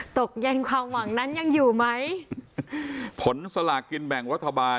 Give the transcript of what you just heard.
ตกเย็นความหวังนั้นยังอยู่ไหมผลสลากินแบ่งรัฐบาล